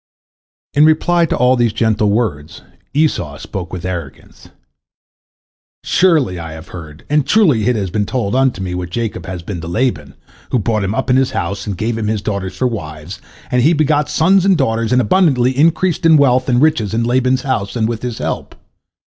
" In reply to all these gentle words, Esau spoke with arrogance: "Surely I have heard, and truly it has been told unto me what Jacob has been to Laban, who brought him up in his house, and gave him his daughters for wives, and he begot sons and daughters, and abundantly increased in wealth and riches in Laban's house and with his help.